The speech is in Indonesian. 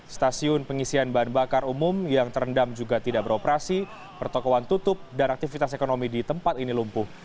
stasiun pengisian bahan bakar umum yang terendam juga tidak beroperasi pertokohan tutup dan aktivitas ekonomi di tempat ini lumpuh